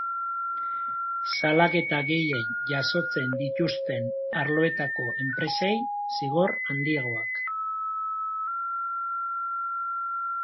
Salaketa gehien jasotzen dituzten arloetako enpresei zigor handiagoak.